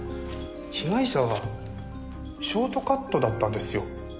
被害者はショートカットだったんですよ。